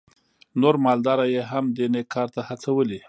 نور مالداره یې هم دې نېک کار ته هڅولي.